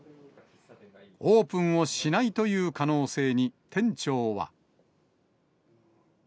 オープンをしないという可能性に、店長は。